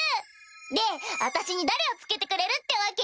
で私に誰をつけてくれるってわけ？